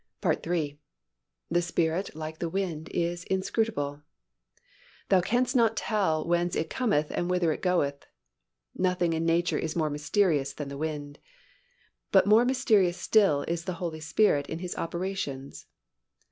(3) The Spirit like the wind is inscrutable. "Thou canst not tell whence it cometh and whither it goeth." Nothing in nature is more mysterious than the wind. But more mysterious still is the Holy Spirit in His operations.